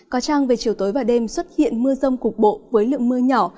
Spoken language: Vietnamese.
có trang về chiều tối và đêm xuất hiện mưa rông cục bộ với lượng mưa nhỏ